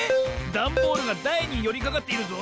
ダンボールがだいによりかかっているぞ。